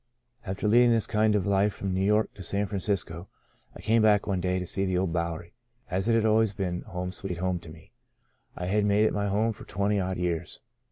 " After leading this kind of a life from New York to San Francisco, I came back one day to see the old Bowery, as it had always been * Home Sweet Home ' to me — I had made it my home for twenty odd years.